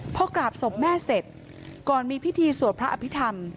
พอกราบศพแม่เสร็จก่อนมีพิธีสวดพระอภิษฐรรม